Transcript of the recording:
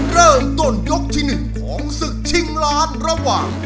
เริ่มต้นยกที่๑ของศึกชิงล้านระหว่าง